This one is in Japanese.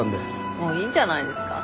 もういいんじゃないですか？